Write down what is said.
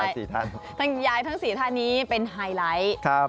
ซึ่งยายทั้งสี่ท่านนี้เป็นไฮไลท์